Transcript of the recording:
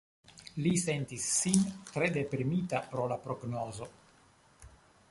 Li sentis sin tre deprimita pro la prognozo.